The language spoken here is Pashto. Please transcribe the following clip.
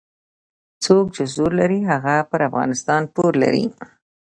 څوک چې زور لري هغه پر افغانستان پور لري.